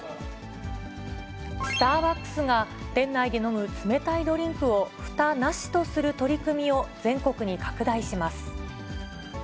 スターバックスが店内で飲む冷たいドリンクをふたなしとする取り組みを全国に拡大します。